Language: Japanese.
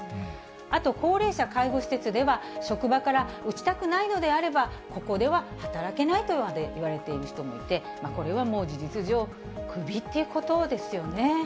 あと高齢者介護施設では、職場から、打ちたくないのであれば、ここでは働けないとまで言われてる人もいて、これはもう、事実上、クビということですよね。